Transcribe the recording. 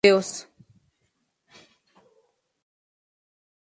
Este juego tiene bloqueos.